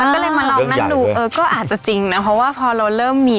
ก็เลยมาลองนั่งดูเออก็อาจจะจริงนะเพราะว่าพอเราเริ่มมี